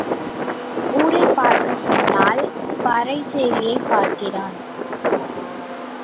ஊரைப் பார்க்கச் சொன்னால் பறைச்சேரியைப் பார்க்கிறான்.